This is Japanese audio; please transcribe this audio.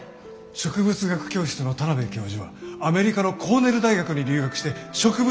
植物学教室の田邊教授はアメリカのコーネル大学に留学して植物学を学んでこられたんだ。